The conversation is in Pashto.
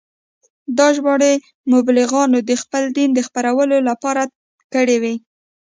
دا ژباړې مبلغانو د خپل دین د خپرولو لپاره کړې وې.